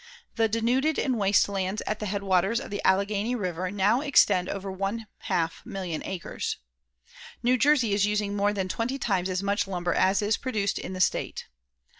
The denuded and waste lands at the headwaters of the Allegheny River now extend over one half million acres. New Jersey is using more than twenty times as much lumber as is produced in the state.